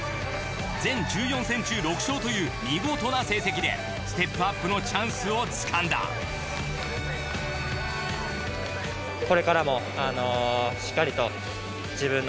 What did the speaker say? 全１４戦中６勝という見事な成績でステップアップのチャンスをつかんだランキング２位は荒川麟。